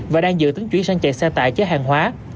và đang dự tính chuyển sang chạy xe tại chế hàng hóa